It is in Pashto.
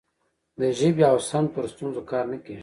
د ژبې او سمت پر ستونزو کار نه کیږي.